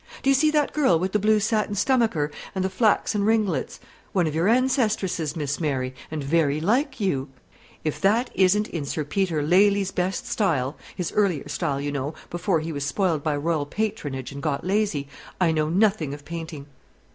Do you see that girl with the blue satin stomacher and the flaxen ringlets? one of your ancestresses, Miss Mary, and very like you. If that isn't in Sir Peter Lely's best style, his earlier style, you know, before he was spoiled by royal patronage, and got lazy, I know nothing of painting."